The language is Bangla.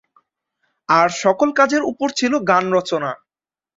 আর সকল কাজের উপর ছিল গান রচনা।